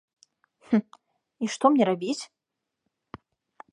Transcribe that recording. І што мне рабіць?